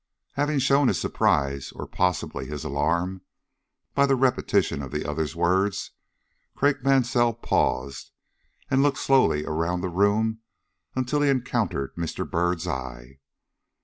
Having shown his surprise, or, possibly, his alarm, by the repetition of the other's words, Craik Mansell paused and looked slowly around the room until he encountered Mr. Byrd's eye.